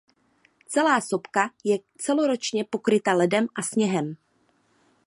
Celá sopka je celoročně pokryta ledem a sněhem.